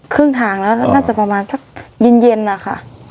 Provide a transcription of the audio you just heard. ครึ่งทางแล้วน่าจะประมาณสักเย็นนะคะ